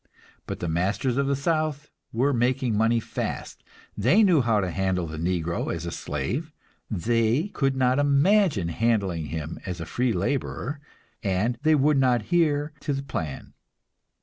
But the masters of the South were making money fast; they knew how to handle the negro as a slave, they could not imagine handling him as a free laborer, and they would not hear to the plan.